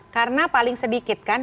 karena paling sedikit kan